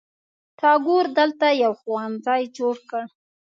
ټاګور دلته یو ښوونځي جوړ کړ.